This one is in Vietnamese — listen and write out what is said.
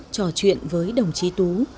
trò chuyện với đồng chí tú